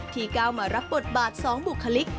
ที่ก้าวมารับบทบาทสองบุคลิก